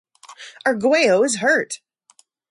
Arguello is hurt!!